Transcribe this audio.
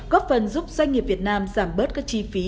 góp phần giúp doanh nghiệp việt nam giảm bớt các chi phí